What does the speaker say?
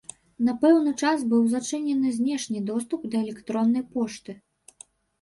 На пэўны час быў зачынены знешні доступ да электроннай пошты.